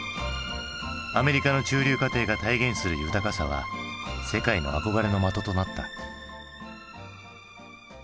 アメリカの中流家庭が体現する豊かさは世界の憧れの的となった。